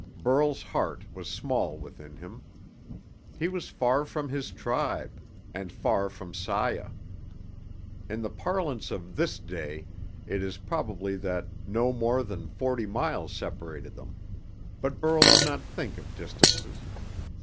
Burl's heart was small within him. He was far from his tribe, and far from Saya. In the parlance of this day, it is probable that no more than forty miles separated them, but Burl did not think of distances.